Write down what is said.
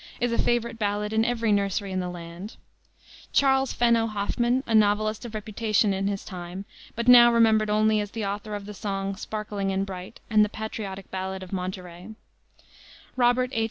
is a favorite ballad in every nursery in the land; Charles Fenno Hoffman, a novelist of reputation in his time, but now remembered only as the author of the song, Sparkling and Bright, and the patriotic ballad of Monterey; Robert H.